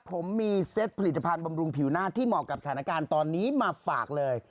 ผมมีเซตผลิตภัณฑ์บำรุงผิวหน้าที่เหมาะกับสถานการณ์ตอนนี้มาฝากเลย